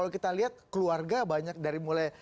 kalau kita lihat keluarga banyak dari mulai